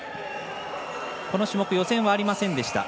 この種目予選はありませんでした。